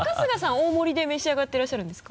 大盛りで召し上がってらっしゃるんですか？